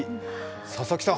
佐々木さん